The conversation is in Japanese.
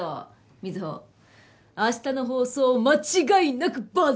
瑞穂明日の放送間違いなくバズるよ！